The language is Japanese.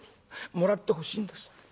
もらってほしいんですって。